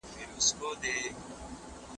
ښوونکی زدهکوونکو ته د ریښتینولي ارزښت ښيي.